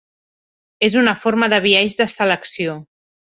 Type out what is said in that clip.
És una forma de biaix de selecció.